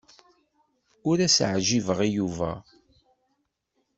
Ur as-ɛjibeɣ i Yuba.